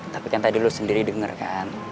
tapi kan tadi lo sendiri denger kan